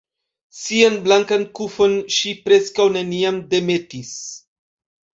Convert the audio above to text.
Sian blankan kufon ŝi preskaŭ neniam demetis.